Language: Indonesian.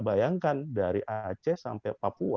bayangkan dari aceh sampai papua